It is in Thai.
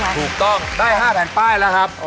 ถูกต้องได้๕แผ่นป้ายแล้วครับ